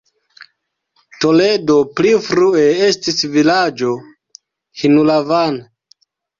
Toledo pli frue estis vilaĝo Hinulavan.